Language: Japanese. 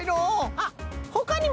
あっほかにもね